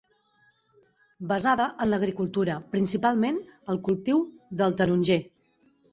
Basada en l'agricultura, principalment el cultiu del taronger.